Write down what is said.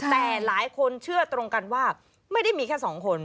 แต่หลายคนเชื่อตรงกันว่าไม่ได้มีแค่สองคน